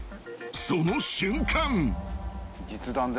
［その瞬間］